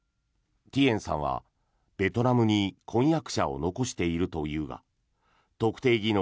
ティエンさんはベトナムに婚約者を残しているというが特定技能